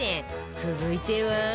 続いては